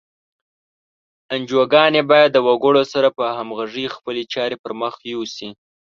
انجوګانې باید د وګړو سره په همغږۍ خپلې چارې پر مخ یوسي.